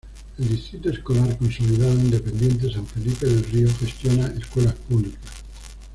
El Distrito Escolar Consolidado Independiente San Felipe Del Rio gestiona escuelas públicas.